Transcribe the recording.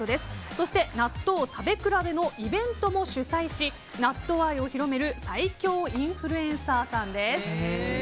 そして納豆食べ比べのイベントも主催し納豆愛を広める最強インフルエンサーさんです。